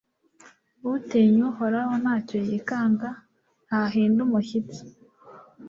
utinya uhoraho nta cyo yikanga, ntahinda umushyitsi